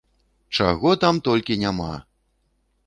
Чаго там толькі няма!